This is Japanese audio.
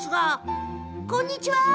こんにちは！